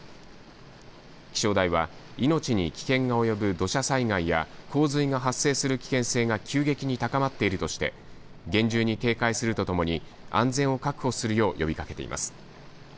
気象台は命に危険が及ぶ土砂災害や洪水が発生する危険性が急激に高まっているとして厳重に警戒するとともに安全を確保するよう呼びかけています。